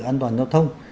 an toàn giao thông